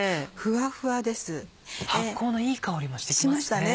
発酵のいい香りもしてきますね。